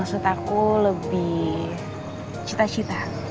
bukan berhayal maksud aku lebih cita cita